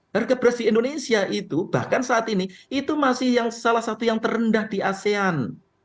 harga beras di indonesia itu bahkan saat ini itu masih salah satu yang terendah di asean